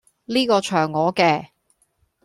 呢個場我既